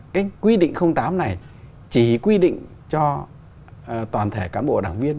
cái quy định tám này chỉ quy định cho toàn thể cán bộ đảng viên